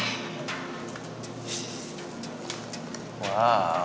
ini dia handphone nya